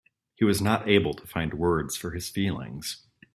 He was not able to find words for his feelings.